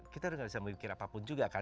kita nggak bisa mikir apapun juga kan